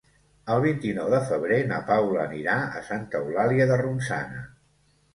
El vint-i-nou de febrer na Paula anirà a Santa Eulàlia de Ronçana.